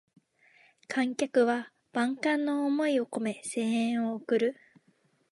観客は万感の思いをこめ声援を送る